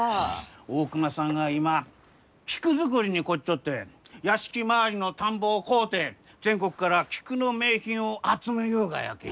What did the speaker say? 大隈さんが今菊作りに凝っちょって屋敷周りの田んぼを買うて全国から菊の名品を集めゆうがやき。